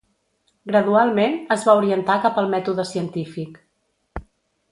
Gradualment, es va orientar cap al mètode científic.